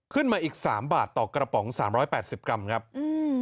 ขึ้นมาอีก๓บาทต่อกระป๋อง๓๘๐กรัมครับ